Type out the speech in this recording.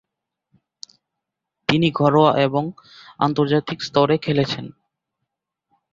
তিনি ঘরোয়া এবং আন্তর্জাতিক স্তরে খেলছেন।